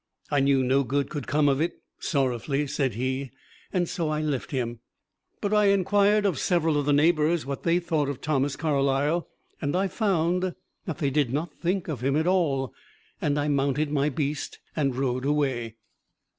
"I knew no good could come of it," sorrowfully said he, and so I left him. But I inquired of several of the neighbors what they thought of Thomas Carlyle, and I found that they did not think of him at all. And I mounted my beast and rode away.